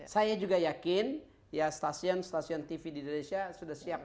saya juga yakin ya stasiun stasiun tv di indonesia sudah siap